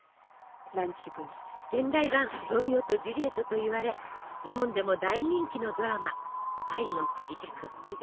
現代版ロミオとジュリエットといわれ日本でも大人気のドラマ「愛の不時着」。